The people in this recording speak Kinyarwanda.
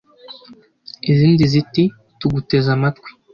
» izindi ziti « tuguteze amatwi. »